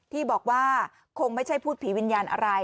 ที่บอกว่าคงไม่ใช่พูดผีวิญญาณอะไร